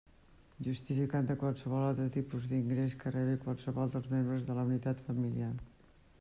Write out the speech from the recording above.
Justificant de qualsevol altre tipus d'ingrés que rebi qualsevol dels membres de la unitat familiar.